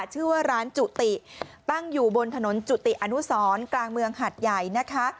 ชื่อว่าร้านจุติตั้งอยู่บนถนนจุติอนุสรกลางเมืองหัดใหญ่นะคะ